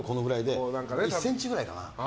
１ｃｍくらいかな。